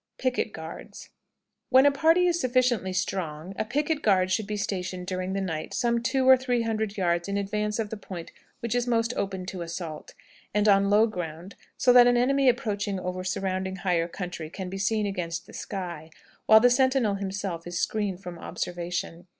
PICKET GUARDS. When a party is sufficiently strong, a picket guard should be stationed during the night some two or three hundred yards in advance of the point which is most open to assault, and on low ground, so that an enemy approaching over the surrounding higher country can be seen against the sky, while the sentinel himself is screened from observation.